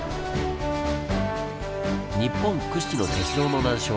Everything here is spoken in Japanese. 日本屈指の鉄道の難所